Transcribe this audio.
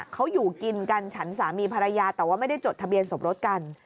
เขาอยู่กินกันฉันสามีภรรยาแต่ว่าไม่ได้จดทะเบียนสมรสกัน